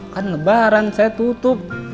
kan lebaran saya tutup